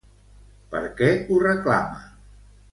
Per què ho reclama?